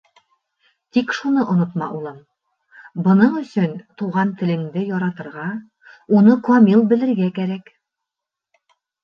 Тик шуны онотма, улым: бының өсөн туған телеңде яратырға, уны камил белергә кәрәк.